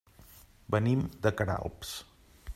Venim de Queralbs.